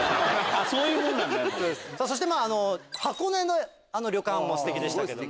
そして箱根のあの旅館もステキでしたけども。